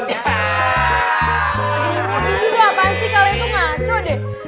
duh udah apaan sih kali itu ngaco deh